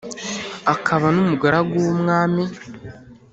akaba n’umugaragu w’umwami.